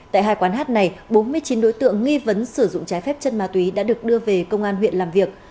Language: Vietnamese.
tại hai quán hát này bốn mươi chín đối tượng nghi vấn sử dụng trái phép chân ma túy đã được đưa về công an huyện làm việc